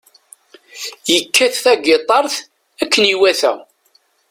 Yekkat tagitaṛt akken iwata.